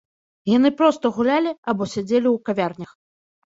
Яны проста гулялі або сядзелі ў кавярнях.